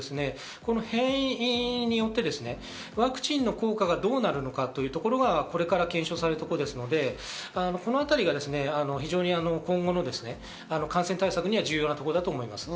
この変異によってワクチンの効果がどうなるかというところはこれから検証されるところですので、このあたりが非常に今後の感染対策に重要なところだと思います。